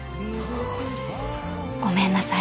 ［ごめんなさい。